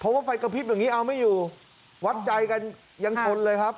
เพราะว่าไฟกระพริบแบบนี้เอาไม่อยู่วัดใจกันยังชนเลยครับ